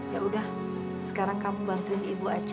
yaudah sekarang kamu bantuin ibu aja